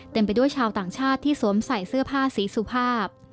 ไปด้วยชาวต่างชาติที่สวมใส่เสื้อผ้าสีสุภาพ